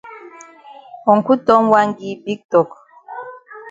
Uncle Tom wan gi big tok.